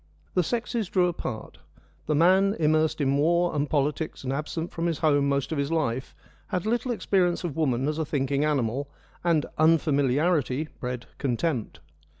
The sexes drew apart : the man, immersed in war and politics and absent from his home most of his life, had little experience of woman as a thinking animal, and unfamiliarity bred contempt.